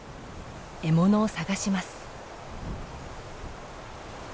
獲物を探します。